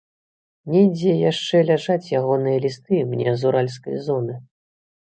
Недзе яшчэ ляжаць ягоныя лісты мне з уральскай зоны.